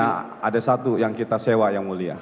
nah ada satu yang kita sewa yang mulia